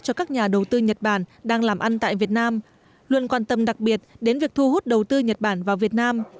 cho các nhà đầu tư nhật bản đang làm ăn tại việt nam luôn quan tâm đặc biệt đến việc thu hút đầu tư nhật bản vào việt nam